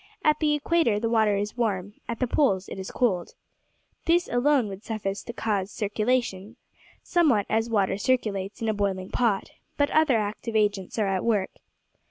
At the equator the water is warm, at the poles it is cold. This alone would suffice to cause circulation somewhat as water circulates in a boiling pot but other active agents are at work.